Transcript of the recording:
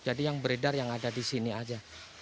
jadi yang beredar yang ada di sini aja